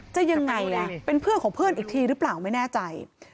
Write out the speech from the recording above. ยังไงล่ะเป็นเพื่อนของเพื่อนอีกทีหรือเปล่าไม่แน่ใจ